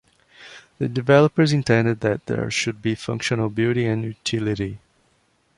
The developers intended that there should be functional beauty and utility.